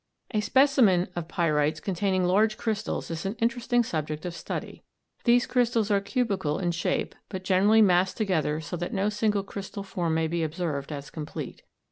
A specimen of pyrites containing large crystals is an interesting subject of study. These crystals are cubical in shape, but generally massed together so that no single crystal form may be observed as complete.